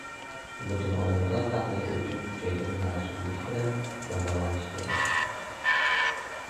butun odamzod taqdiri uchun kuchaygan mas’ulligi bilan baholanishi kerak.